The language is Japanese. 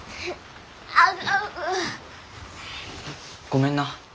ごめんな。